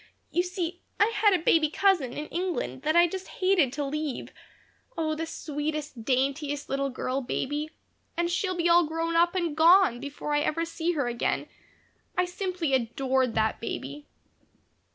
"You see, I had a baby cousin in England that I just hated to leave Oh, the sweetest, daintiest little girl baby and she'll be all grown up and gone before I ever see her again. I simply adored that baby."